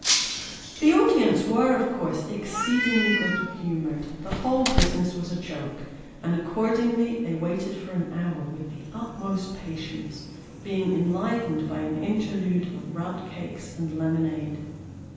The audience were, of course, exceedingly good humoured ; the whole business was a joke ; and accordingly they waited for an hour with the utmost patience, being enlivened by an interlude of rout cakes and lemonade.